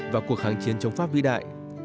và cuộc kháng chiến chống pháp vĩ đại